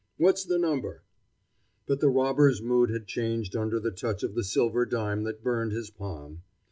What's the number?" But the Robber's mood had changed under the touch of the silver dime that burned his palm.